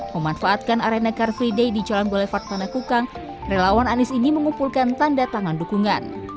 memanfaatkan arena car free day di calonbole fartana kukang relawan anis ini mengumpulkan tanda tangan dukungan